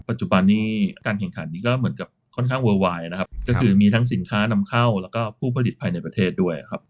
ปัจจุบันนี้การแข่งขันนี้ก็เหมือนกับค่อนข้างเวอร์วายนะครับก็คือมีทั้งสินค้านำเข้าแล้วก็ผู้ผลิตภายในประเทศด้วยครับ